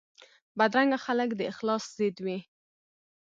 بدرنګه خلک د اخلاص ضد وي